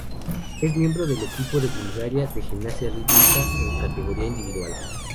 Es miembro del equipo de Bulgaria de gimnasia rítmica en categoría individual.